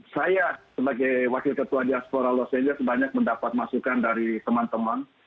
saya sebagai wakil ketua diaspora los angeles banyak mendapat masukan dari teman teman